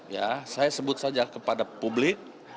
ya saya sebut saja kepada publik